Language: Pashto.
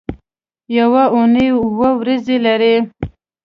یوه اونۍ اووه ورځې لري